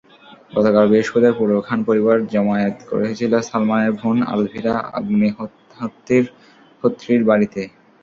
গতকাল বৃহস্পতিবার পুরো খান পরিবার জমায়েত হয়েছিল সালমানের বোন আলভিরা অগ্নিহোত্রির বাড়িতে।